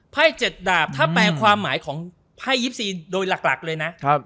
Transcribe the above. ๗ดาบถ้าแปลความหมายของไพ่๒๔โดยหลักเลยนะ